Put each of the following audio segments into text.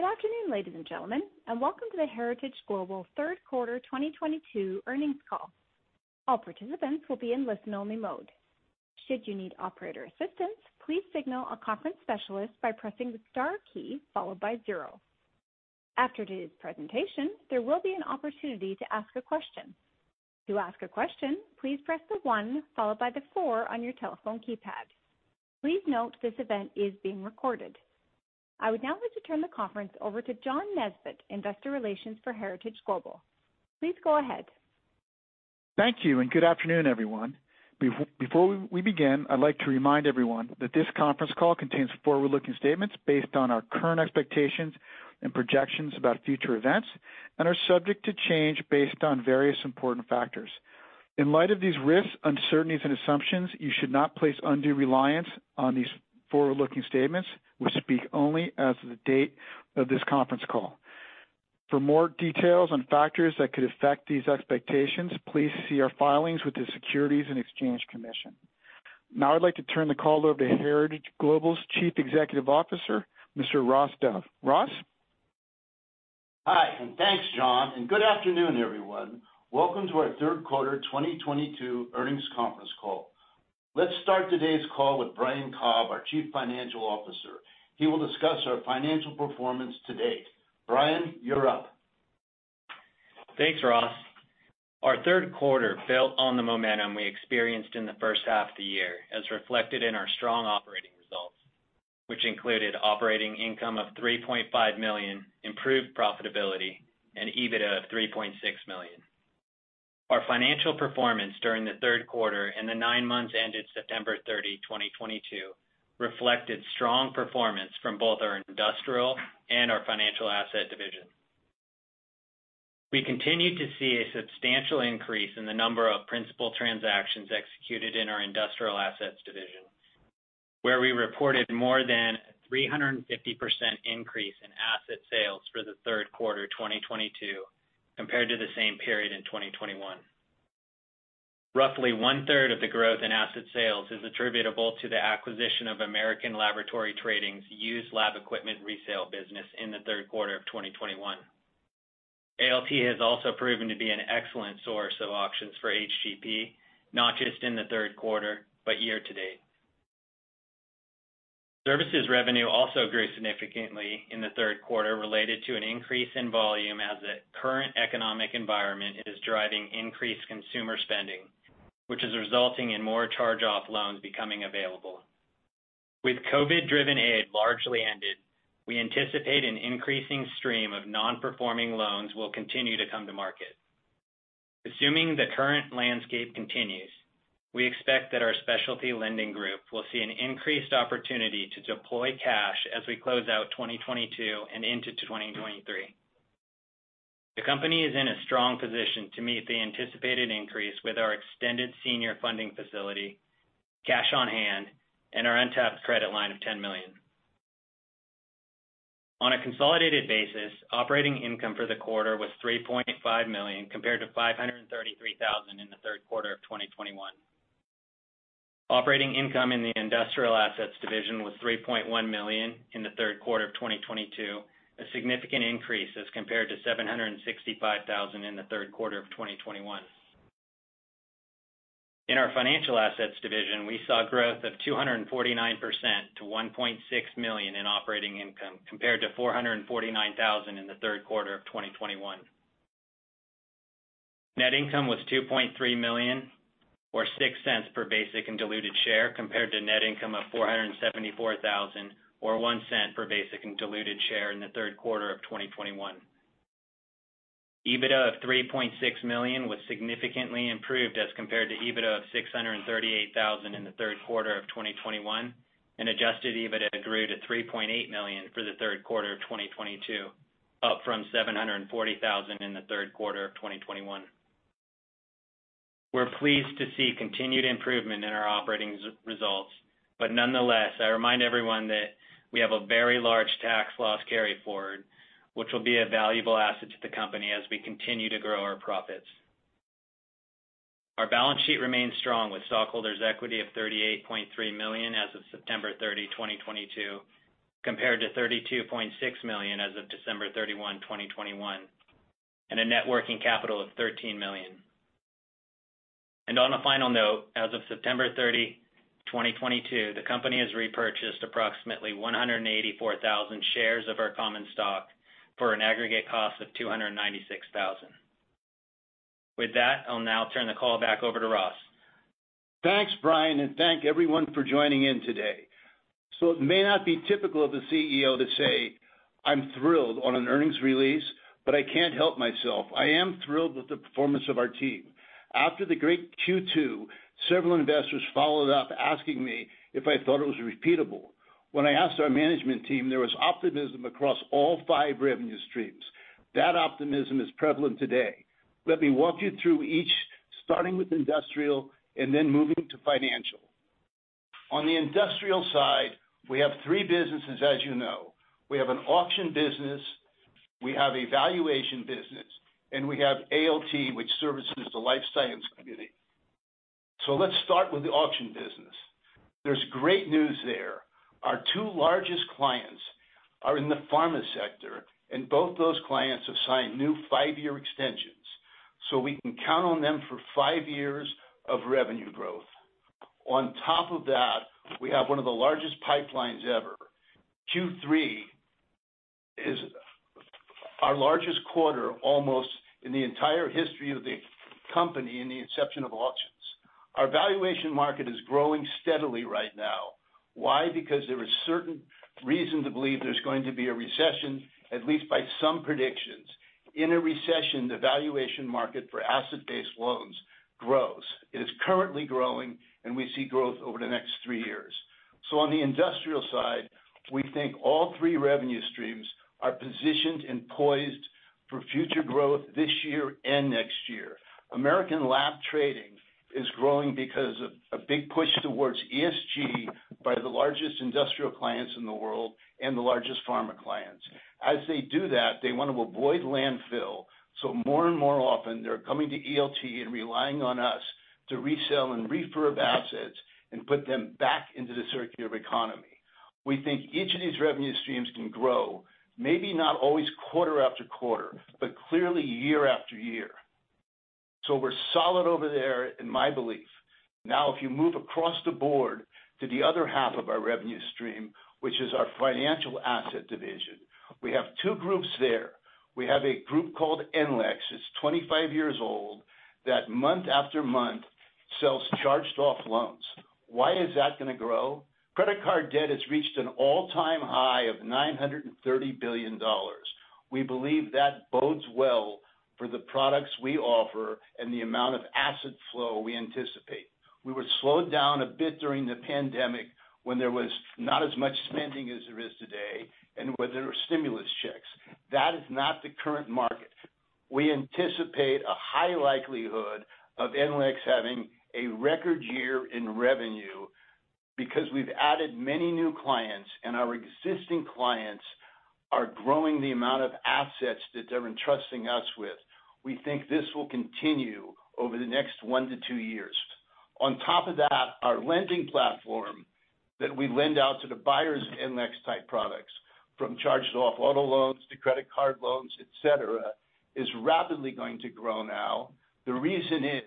Good afternoon, ladies and gentlemen, and welcome to the Heritage Global third quarter 2022 earnings call. All participants will be in listen-only mode. Should you need operator assistance, please signal a conference specialist by pressing the star key followed by zero. After today's presentation, there will be an opportunity to ask a question. To ask a question, please press star one on your telephone keypad. Please note this event is being recorded. I would now like to turn the conference over to John Nesbett, investor relations for Heritage Global. Please go ahead. Thank you and good afternoon, everyone. Before we begin, I'd like to remind everyone that this conference call contains forward-looking statements based on our current expectations and projections about future events and are subject to change based on various important factors. In light of these risks, uncertainties and assumptions, you should not place undue reliance on these forward-looking statements, which speak only as of the date of this conference call. For more details on factors that could affect these expectations, please see our filings with the Securities and Exchange Commission. Now I'd like to turn the call over to Heritage Global's Chief Executive Officer, Mr. Ross Dove. Ross? Hi, and thanks, John, and good afternoon, everyone. Welcome to our third quarter 2022 earnings conference call. Let's start today's call with Brian Cobb, our Chief Financial Officer. He will discuss our financial performance to date. Brian, you're up. Thanks, Ross. Our third quarter built on the momentum we experienced in the first half of the year, as reflected in our strong operating results, which included operating income of $3.5 million, improved profitability, and EBITDA of $3.6 million. Our financial performance during the third quarter and the nine months ended September 30th, 2022 reflected strong performance from both our industrial and our financial asset division. We continued to see a substantial increase in the number of principal transactions executed in our industrial assets division, where we reported more than 350% increase in asset sales for the third quarter 2022 compared to the same period in 2021. Roughly one-third of the growth in asset sales is attributable to the acquisition of American Laboratory Trading's used lab equipment resale business in the third quarter of 2021. ALT has also proven to be an excellent source of auctions for HTP, not just in the third quarter, but year to date. Services revenue also grew significantly in the third quarter related to an increase in volume as the current economic environment is driving increased consumer spending, which is resulting in more charge-off loans becoming available. With COVID-driven aid largely ended, we anticipate an increasing stream of non-performing loans will continue to come to market. Assuming the current landscape continues, we expect that our specialty lending group will see an increased opportunity to deploy cash as we close out 2022 and into 2023. The company is in a strong position to meet the anticipated increase with our extended senior funding facility, cash on hand, and our untapped credit line of $10 million. On a consolidated basis, operating income for the quarter was $3.5 million, compared to $533,000 in the third quarter of 2021. Operating income in the industrial assets division was $3.1 million in the third quarter of 2022, a significant increase as compared to $765,000 in the third quarter of 2021. In our financial assets division, we saw growth of 249% to $1.6 million in operating income, compared to $449,000 in the third quarter of 2021. Net income was $2.3 million, or $0.06 per basic and diluted share, compared to net income of $474,000, or $0.01 per basic and diluted share in the third quarter of 2021. EBITDA of $3.6 million was significantly improved as compared to EBITDA of $638,000 in the third quarter of 2021, and adjusted EBITDA grew to $3.8 million for the third quarter of 2022, up from $740,000 in the third quarter of 2021. We're pleased to see continued improvement in our operating results, but nonetheless, I remind everyone that we have a very large tax loss carry-forward, which will be a valuable asset to the company as we continue to grow our profits. Our balance sheet remains strong, with stockholders' equity of $38.3 million as of September 30th, 2022, compared to $32.6 million as of December 31, 2021, and a net working capital of $13 million. On a final note, as of September 30, 2022, the company has repurchased approximately 184,000 shares of our common stock for an aggregate cost of $296,000. With that, I'll now turn the call back over to Ross. Thanks, Brian, and thank everyone for joining in today. It may not be typical of the CEO to say I'm thrilled on an earnings release, but I can't help myself. I am thrilled with the performance of our team. After the great Q2, several investors followed up asking me if I thought it was repeatable. When I asked our management team, there was optimism across all five revenue streams. That optimism is prevalent today. Let me walk you through each, starting with industrial and then moving to financial. On the industrial side, we have three businesses, as you know. We have an auction business, we have a valuation business, and we have ALT, which services the life science community. Let's start with the auction business. There's great news there. Our two largest clients are in the pharma sector, and both those clients have signed new five-year extensions, so we can count on them for five years of revenue growth. On top of that, we have one of the largest pipelines ever. Q3 is our largest quarter almost in the entire history of the company in the inception of auctions. Our valuation market is growing steadily right now. Why? Because there is certain reason to believe there's going to be a recession, at least by some predictions. In a recession, the valuation market for asset-based loans grows. It is currently growing, and we see growth over the next three years. On the industrial side, we think all three revenue streams are positioned and poised for future growth this year and next year. American Laboratory Trading is growing because of a big push towards ESG by the largest industrial clients in the world and the largest pharma clients. As they do that, they wanna avoid landfill, so more and more often, they're coming to ALT and relying on us to resell and refurbish assets and put them back into the circular economy. We think each of these revenue streams can grow, maybe not always quarter after quarter, but clearly year after year. We're solid over there, in my belief. Now, if you move across the board to the other half of our revenue stream, which is our financial asset division, we have two groups there. We have a group called NLEX. It's 25 years old, that month after month, sells charged-off loans. Why is that gonna grow? Credit card debt has reached an all-time high of $930 billion. We believe that bodes well for the products we offer and the amount of asset flow we anticipate. We were slowed down a bit during the pandemic when there was not as much spending as there is today and when there were stimulus checks. That is not the current market. We anticipate a high likelihood of NLEX having a record year in revenue because we've added many new clients, and our existing clients are growing the amount of assets that they're entrusting us with. We think this will continue over the next one to two years. On top of that, our lending platform that we lend out to the buyers of NLEX-type products, from charged-off auto loans to credit card loans, et cetera, is rapidly going to grow now. The reason is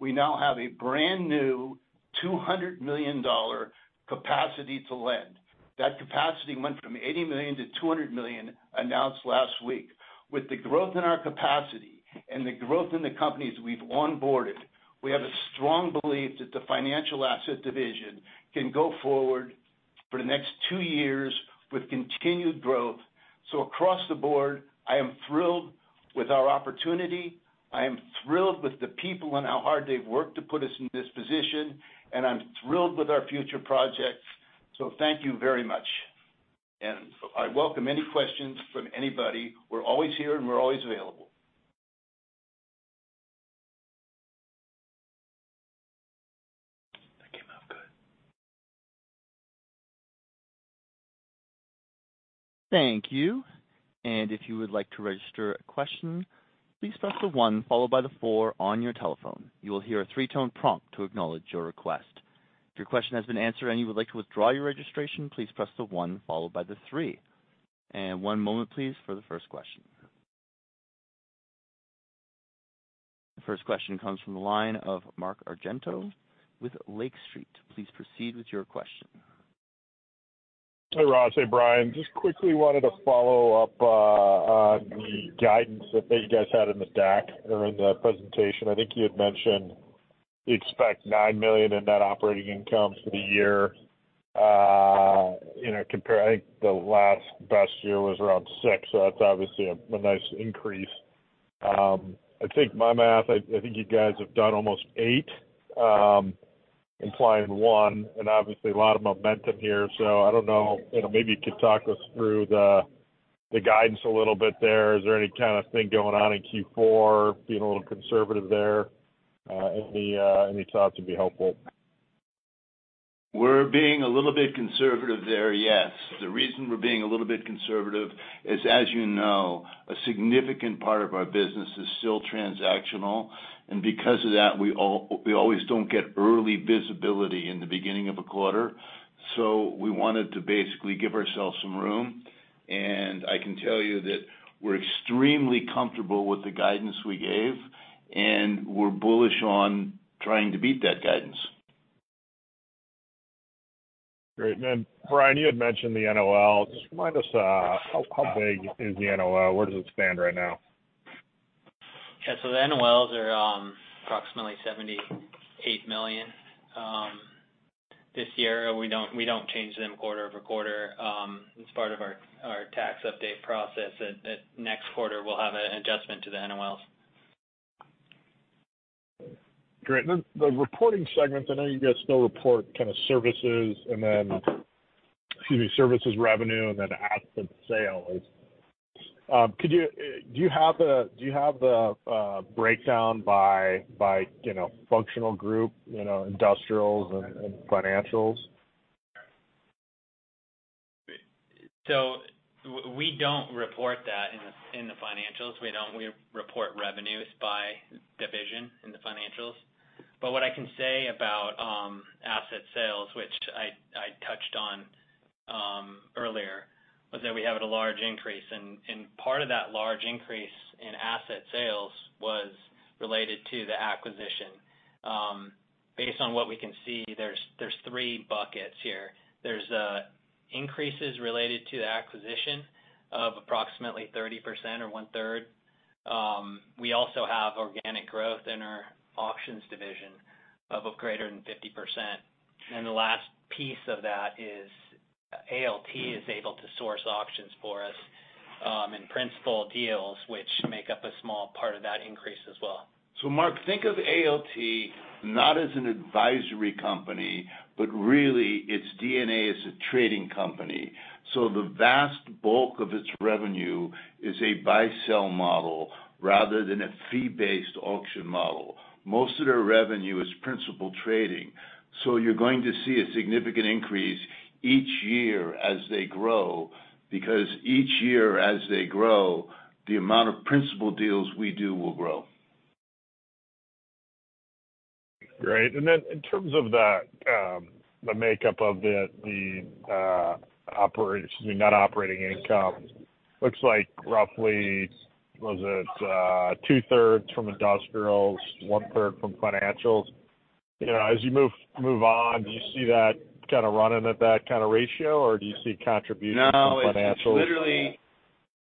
we now have a brand-new $200 million capacity to lend. That capacity went from $80 million-$200 million, announced last week. With the growth in our capacity and the growth in the companies we've onboarded, we have a strong belief that the financial asset division can go forward for the next two years with continued growth. Across the board, I am thrilled with our opportunity, I am thrilled with the people and how hard they've worked to put us in this position, and I'm thrilled with our future projects. Thank you very much, and I welcome any questions from anybody. We're always here, and we're always available. That came out good. Thank you. If you would like to register a question, please press the one followed by the four on your telephone. You will hear a three-tone prompt to acknowledge your request. If your question has been answered and you would like to withdraw your registration, please press the one followed by the three. One moment, please, for the first question. The first question comes from the line of Mark Argento with Lake Street Capital Markets. Please proceed with your question. Hey, Ross. Hey, Brian. Just quickly wanted to follow up on the guidance that maybe you guys had in the deck or in the presentation. I think you had mentioned you expect $9 million in net operating income for the year, you know, compared, I think the last best year was around $6 million, so that's obviously a nice increase. I think my math, I think you guys have done almost $8 million, implying $1 million and obviously a lot of momentum here. So I don't know, you know, maybe you could talk us through the guidance a little bit there. Is there any kind of thing going on in Q4, being a little conservative there? Any thoughts would be helpful. We're being a little bit conservative there, yes. The reason we're being a little bit conservative is, as you know, a significant part of our business is still transactional, and because of that, we always don't get early visibility in the beginning of a quarter. We wanted to basically give ourselves some room, and I can tell you that we're extremely comfortable with the guidance we gave, and we're bullish on trying to beat that guidance. Great. Brian, you had mentioned the NOL. Just remind us, how big is the NOL? Where does it stand right now? The NOLs are approximately $78 million this year. We don't change them quarter-over-quarter. As part of our tax update process at next quarter, we'll have an adjustment to the NOLs. Great. Then the reporting segments, I know you guys still report kinda services and then, excuse me, services revenue and then asset sales. Do you have the breakdown by, you know, functional group, you know, industrials and financials? We don't report that in the financials. We report revenues by division in the financials. What I can say about asset sales, which I touched on earlier, was that we had a large increase and part of that large increase in asset sales was related to the acquisition. Based on what we can see, there's three buckets here. There's increases related to the acquisition of approximately 30% or one-third. We also have organic growth in our auctions division of greater than 50%. The last piece of that is ALT is able to source auctions for us in principal deals which make up a small part of that increase as well. Mark, think of ALT not as an advisory company, but really, its DNA is a trading company. The vast bulk of its revenue is a buy-sell model rather than a fee-based auction model. Most of their revenue is principal trading, so you're going to see a significant increase each year as they grow, because each year as they grow, the amount of principal deals we do will grow. Great. Then in terms of the makeup of the net operating income, looks like roughly, was it, two-thirds from industrials, one-third from financials? You know, as you move on, do you see that kinda running at that kinda ratio, or do you see contribution from financials?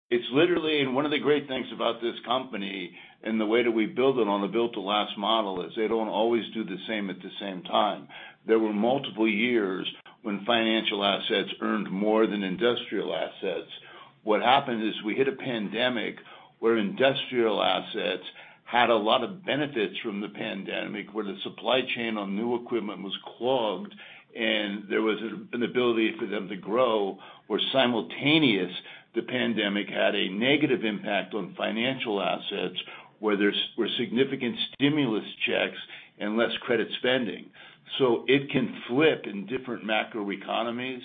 It's literally one of the great things about this company and the way that we build it on the Built to Last model is they don't always do the same at the same time. There were multiple years when financial assets earned more than industrial assets. What happened is we hit a pandemic where industrial assets had a lot of benefits from the pandemic, where the supply chain on new equipment was clogged and there was an ability for them to grow, where simultaneously, the pandemic had a negative impact on financial assets, where there were significant stimulus checks and less credit spending. It can flip in different macroeconomies.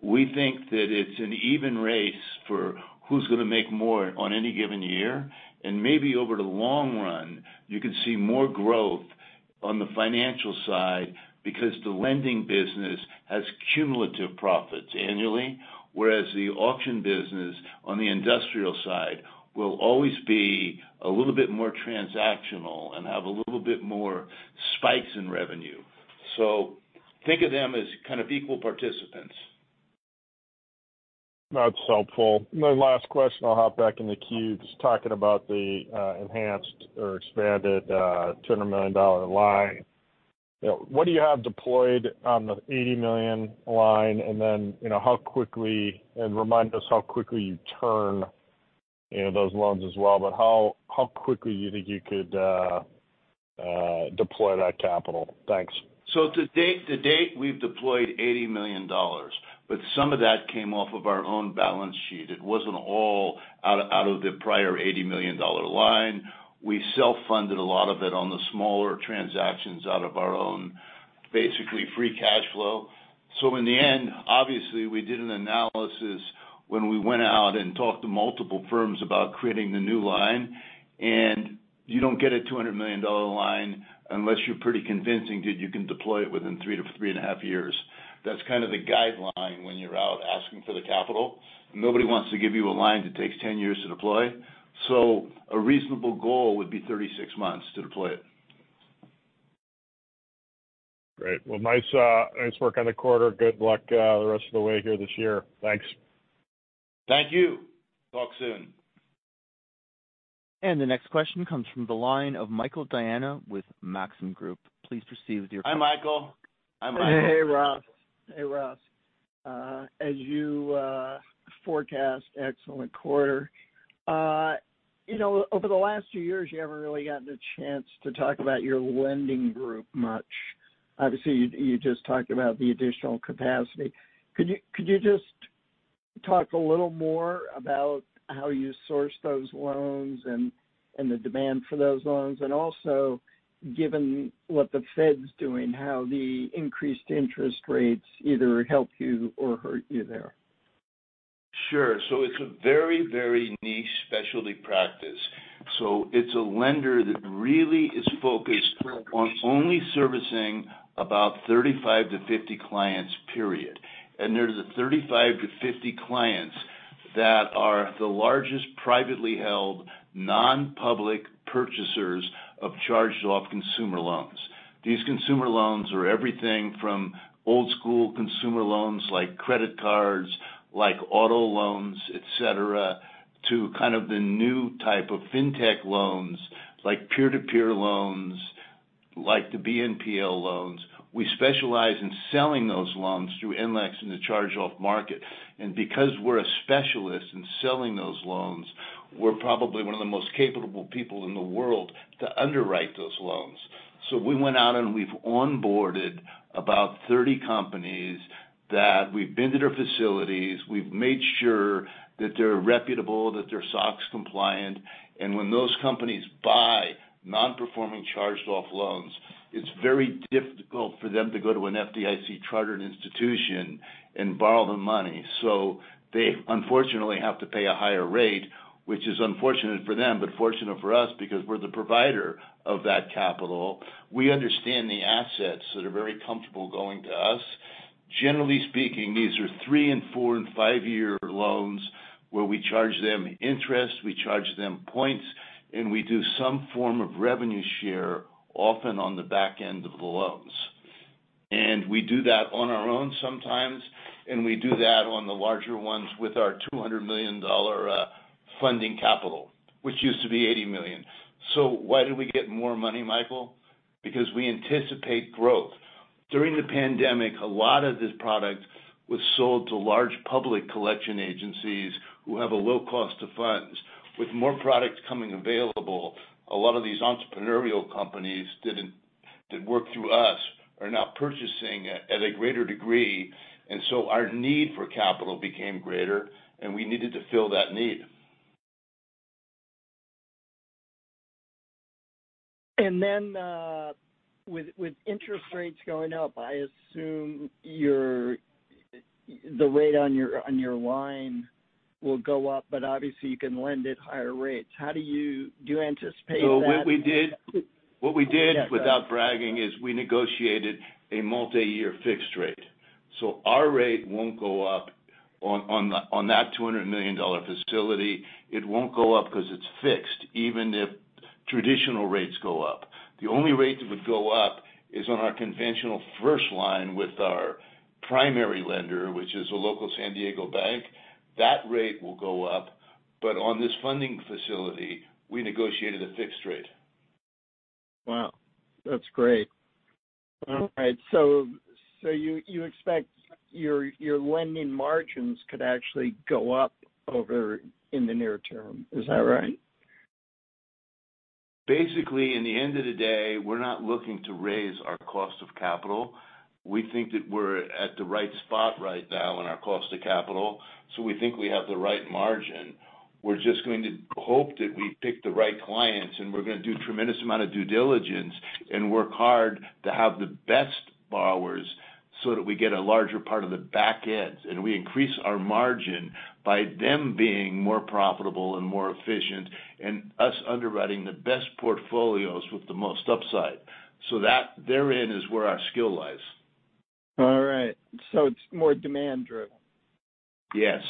We think that it's an even race for who's gonna make more on any given year. Maybe over the long run, you could see more growth on the financial side because the lending business has cumulative profits annually, whereas the auction business on the industrial side will always be a little bit more transactional and have a little bit more spikes in revenue. Think of them as kind of equal participants. That's helpful. My last question, I'll hop back in the queue. Just talking about the enhanced or expanded $200 million line. You know, what do you have deployed on the $80 million line? And then, you know, how quickly and remind us how quickly you turn those loans as well, but how quickly you think you could deploy that capital? Thanks. To date, we've deployed $80 million, but some of that came off of our own balance sheet. It wasn't all out of the prior $80 million line. We self-funded a lot of it on the smaller transactions out of our own, basically free cash flow. In the end, obviously, we did an analysis when we went out and talked to multiple firms about creating the new line. You don't get a $200 million line unless you're pretty convincing that you can deploy it within three-3.5 years. That's kind of the guideline when you're out asking for the capital. Nobody wants to give you a line that takes 10 years to deploy. A reasonable goal would be 36 months to deploy it. Great. Well, nice work on the quarter. Good luck, the rest of the way here this year. Thanks. Thank you. Talk soon. The next question comes from the line of Michael Diana with Maxim Group. Please proceed with your- Hi, Michael. Hi, Michael. Hey, Ross. As you forecast, excellent quarter. You know, over the last few years, you haven't really gotten a chance to talk about your lending group much. Obviously, you just talked about the additional capacity. Could you just talk a little more about how you source those loans and the demand for those loans? Also, given what the Fed's doing, how the increased interest rates either help you or hurt you there? Sure. It's a very, very niche specialty practice. It's a lender that really is focused on only servicing about 35-50 clients, period. There's 35-50 clients that are the largest privately held, non-public purchasers of charged-off consumer loans. These consumer loans are everything from old school consumer loans like credit cards, like auto loans, et cetera, to kind of the new type of FinTech loans, like peer-to-peer loans, like the BNPL loans. We specialize in selling those loans through NLEX in the charged-off market. Because we're a specialist in selling those loans, we're probably one of the most capable people in the world to underwrite those loans. We went out and we've onboarded about 30 companies that we've been to their facilities, we've made sure that they're reputable, that they're SOX compliant. When those companies buy non-performing charged-off loans, it's very difficult for them to go to an FDIC-chartered institution and borrow the money. They unfortunately have to pay a higher rate, which is unfortunate for them, but fortunate for us because we're the provider of that capital. We understand the assets that are very comfortable going to us. Generally speaking, these are three- and four- and five-year loans where we charge them interest, we charge them points, and we do some form of revenue share, often on the back end of the loans. We do that on our own sometimes, and we do that on the larger ones with our $200 million funding capital, which used to be $80 million. Why do we get more money, Michael? Because we anticipate growth. During the pandemic, a lot of this product was sold to large public collection agencies who have a low cost of funds. With more products becoming available, a lot of these entrepreneurial companies that work through us are now purchasing at a greater degree, and so our need for capital became greater, and we needed to fill that need. With interest rates going up, the rate on your line will go up, but obviously you can lend at higher rates. How do you anticipate that? What we did. Yes. What we did, without bragging, is we negotiated a multi-year fixed rate. Our rate won't go up on that $200 million facility. It won't go up 'cause it's fixed, even if traditional rates go up. The only rate that would go up is on our conventional first line with our primary lender, which is a local San Diego bank. That rate will go up. On this funding facility, we negotiated a fixed rate. Wow. That's great. All right. You expect your lending margins could actually go up over in the near term. Is that right? Basically, at the end of the day, we're not looking to raise our cost of capital. We think that we're at the right spot right now in our cost of capital, so we think we have the right margin. We're just going to hope that we pick the right clients, and we're gonna do a tremendous amount of due diligence and work hard to have the best borrowers so that we get a larger part of the back ends. And we increase our margin by them being more profitable and more efficient and us underwriting the best portfolios with the most upside. That therein is where our skill lies. All right. It's more demand driven. Yes.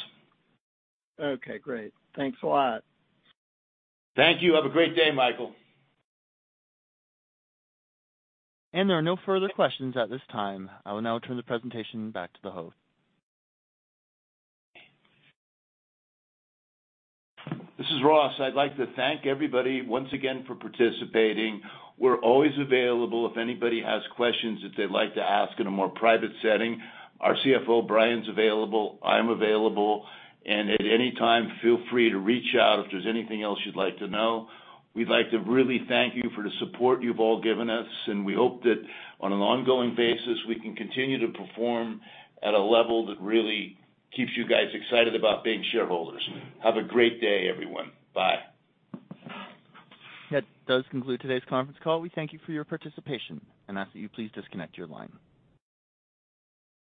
Okay, great. Thanks a lot. Thank you. Have a great day, Michael. There are no further questions at this time. I will now turn the presentation back to the host. This is Ross. I'd like to thank everybody once again for participating. We're always available. If anybody has questions that they'd like to ask in a more private setting, our CFO, Brian's available, I'm available. At any time, feel free to reach out if there's anything else you'd like to know. We'd like to really thank you for the support you've all given us, and we hope that on an ongoing basis, we can continue to perform at a level that really keeps you guys excited about being shareholders. Have a great day, everyone. Bye. That does conclude today's conference call. We thank you for your participation and ask that you please disconnect your line.